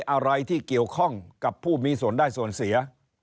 อะไรที่เกี่ยวข้องกับผู้มีส่วนได้ส่วนเสีย